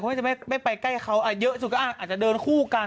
คุณแม่จะไม่ไปใกล้เขาอ่าเยอะสุดก็อ่าอาจจะเดินคู่กัน